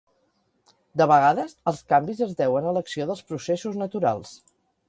De vegades, els canvis es deuen a l'acció dels processos naturals.